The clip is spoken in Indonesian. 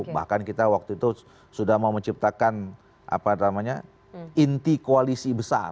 bahkan kita waktu itu sudah mau menciptakan inti koalisi besar